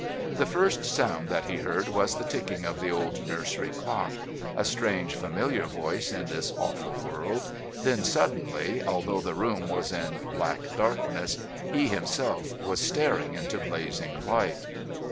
The first sound that he heard was the ticking of the old nursery clock, a strange familiar voice in this awful world, then suddenly, although the room was in black darkness, he himself was staring into blazing light.